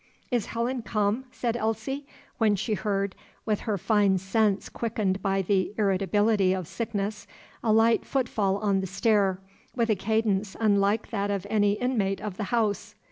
"Is Helen come?" said Elsie, when she heard, with her fine sense quickened by the irritability of sickness, a light footfall on the stair, with a cadence unlike that of any inmate of the house.